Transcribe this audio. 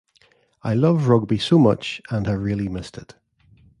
I love rugby so much and have really missed it.